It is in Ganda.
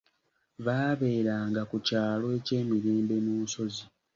Baabeeranga ku kyalo eky'emirembe mu nsozi.